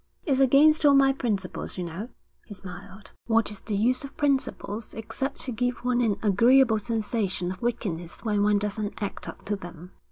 'It's against all my principles, you know,' he smiled. 'What is the use of principles except to give one an agreeable sensation of wickedness when one doesn't act up to them?'